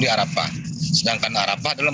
di arafah sedangkan arapah adalah